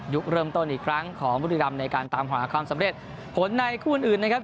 ยุคเริ่มต้นอีกครั้งของบุริยุรัมณ์ในการตามความความสำเร็จผลในคุณอื่นนะครับ